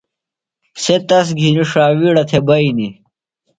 سےۡ تس گِھنی ݜاویڑہ تھےۡ بئینیۡ۔